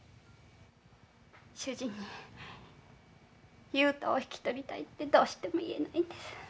主人に雄太を引き取りたいってどうしても言えないんです。